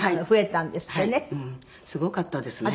すごかったですね。